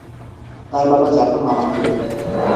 তার বাবা জাফর মামাখলে।